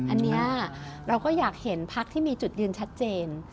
อันนี้เราก็อยากเห็นพักที่มีจุดยืนชัดเจน